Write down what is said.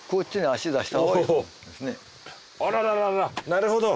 なるほど。